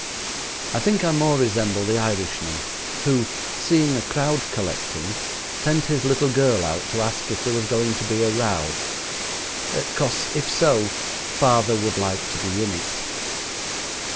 I think I more resemble the Irishman who, seeing a crowd collecting, sent his little girl out to ask if there was going to be a row "'Cos, if so, father would like to be in it."